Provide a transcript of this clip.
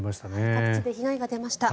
各地で被害が出ました。